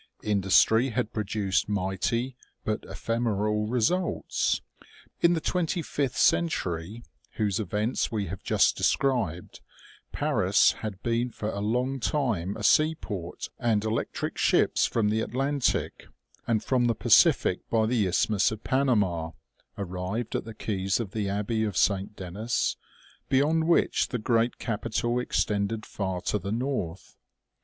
Industry had produced mighty but ephemeral results. In the twenty fifth century, whose events we have just described, Paris had been for a long time a sea port, and electric ships from the Atlantic, and from the Pacific by the Isthmus of Panama, arrived at the quays of the abbey of Saint Denis, beyond which the great capital extended far to the north.